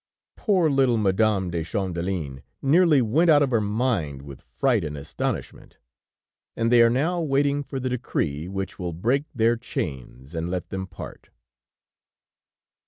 Poor little Madame de Champdelin nearly went out of her mind with fright and astonishment, and they are now waiting for the decree which will break their chains and let them part.